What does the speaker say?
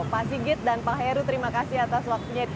pak sigit dan pak heru terima kasih atas waktunya